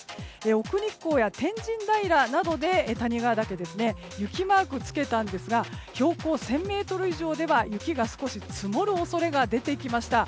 奥日光や谷川岳などに雪マークをつけたんですが標高１０００ｍ以上では雪が少し積もる恐れが出てきました。